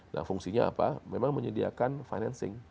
nah fungsinya apa memang menyediakan financing